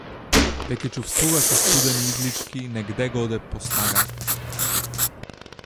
Веќе чувствуваше студени иглички негде-годе по снагата.